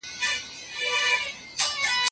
د مدرسو لارښوونې بايد له مذهب سره په ټکر کي نه وي.